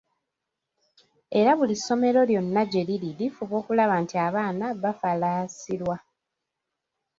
Era buli ssomero lyonna gye liri, lifuba okulaba nti abaana bafalaasirwa